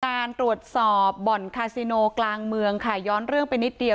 การตรวจสอบบ่อนคาซิโนกลางเมืองค่ะย้อนเรื่องไปนิดเดียว